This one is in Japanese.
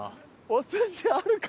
お寿司あるか？